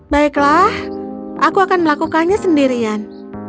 baiklah aku akan melakukannya sendirian